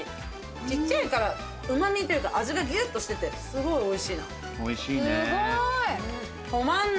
小っちゃいから甘みというか味がギュッとしていて、すごいおいしいな。